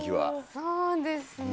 そうですね。